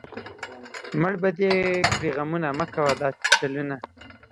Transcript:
مړ به دې کړي غمونه، مۀ کوه دا چلونه